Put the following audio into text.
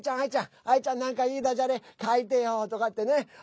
アイちゃん、なんかいいだじゃれ書いてよとかってね。